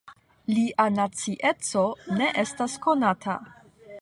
Lia nacieco ne estas konata.